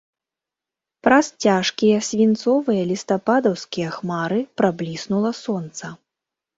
Праз цяжкія свінцовыя лістападаўскія хмары прабліснула сонца.